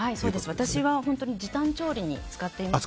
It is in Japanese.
私は時短調理に使っています。